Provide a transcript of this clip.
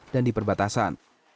dan di perbatasan